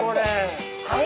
はい。